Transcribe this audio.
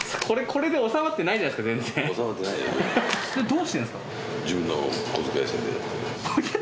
これで収まってないじゃないですか。